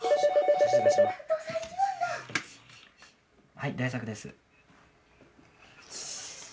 ☎はい大作です。